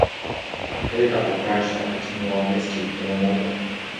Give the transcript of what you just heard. The helicopter crashed after Tingwall rescued Yamamoto.